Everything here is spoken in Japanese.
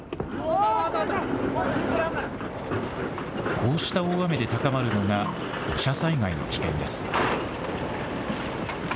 こうした大雨で高まるのが土砂災害の危険です。